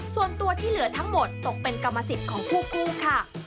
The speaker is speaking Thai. ส่วนตัวที่เหลือทั้งหมดตกเป็นกรรมสิทธิ์ของคู่ค่ะ